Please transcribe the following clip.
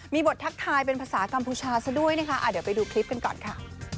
มีบททักทายเป็นภาษากัมพูชาซะด้วยนะคะเดี๋ยวไปดูคลิปกันก่อนค่ะ